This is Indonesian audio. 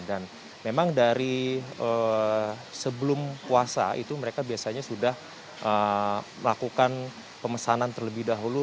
dan memang dari sebelum puasa itu mereka biasanya sudah melakukan pemesanan terlebih dahulu